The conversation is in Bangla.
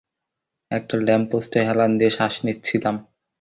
একটা ল্যাম্পপোস্টে হেলান দিয়ে শ্বাস নিচ্ছিলাম।